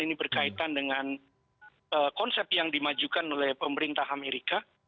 ini berkaitan dengan konsep yang dimajukan oleh pemerintah amerika